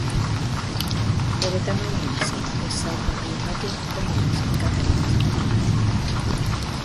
Bere tamaina zein ezaugarriengatik ponien sailkapenean sartzen da.